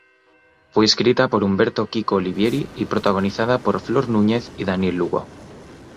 Fue escrita por Humberto "Kiko" Olivieri y protagonizada por Flor Núñez y Daniel Lugo.